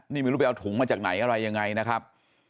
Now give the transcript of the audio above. นี่ไม่รู้ไปเอาถุงมาจากไหนอะไรยังไงนะครับ